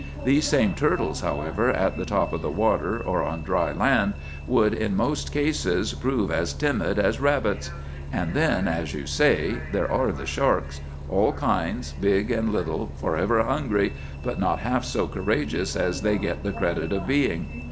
These same turtles, however, at the top of the water or on dry land would, in most cases, prove as timid as rabbits. And then, as you say, there are the sharks,—all kinds, big and little, forever hungry, but not half so courageous as they get the credit of being.